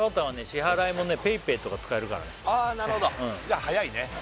支払いもねＰａｙＰａｙとか使えるからねなるほどじゃあ速いね